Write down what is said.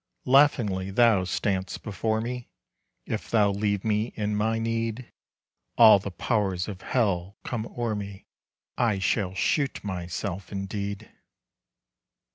Laughingly thou stand'st before me If thou leave me in my need, All the powers of hell come o'er me, I shall shoot myself indeed.